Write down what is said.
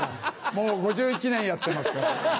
もう５１年やってますから。